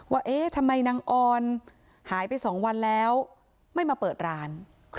ว่าเอ๊ะทำไมนางออนหายไป๒วันแล้วไม่มาเปิดร้าน